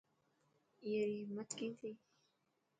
اي ري همت ڪئي ٿي.